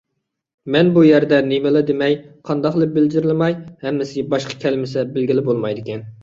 مەن بۇ يەردە نېمىلا دېمەي، قانداقلا بىلجىرلىماي، ھەممىسى باشقا كەلمىسە بىلگىلى بولمايدىكەن.